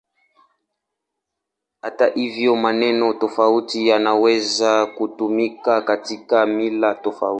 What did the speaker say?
Hata hivyo, maneno tofauti yanaweza kutumika katika mila tofauti.